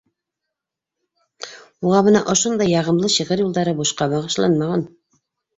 Уға бына ошондай яғымлы шиғыр юлдары бушҡа бағышланмаған.